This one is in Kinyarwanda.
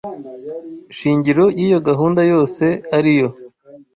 shingiro y’iyo gahunda yose ari yo